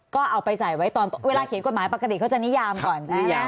ก็เอาไปใส่ไว้ตอนเวลาเขียนกฎหมายปกติเขาจะนิยามก่อนใช่ไหม